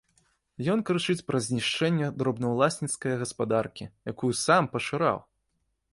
Ён крычыць пра знішчэнне дробнаўласніцкае гаспадаркі, якую сам пашыраў!